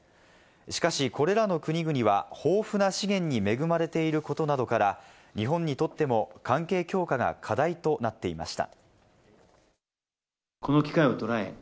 しかしこれらの国々は、豊富な資源に恵まれていることなどから、日本にとっても関係強化が課題となっていました。